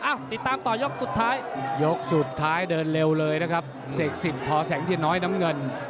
ติดตามต่อยกสุดท้ายยกสุดท้ายเดินเร็วเลยนะครับเสกสินทอแสงเทียนน้อยน้ำเงิน